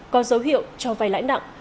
có dấu hiệu cho vay lãnh đẳng